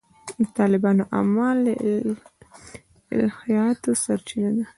د طالبانو اعمال له الهیاتو سرچینه اخلي.